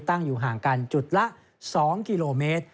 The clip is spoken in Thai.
ตั้งอยู่ห่างกันจุดละ๒กิโลเมตร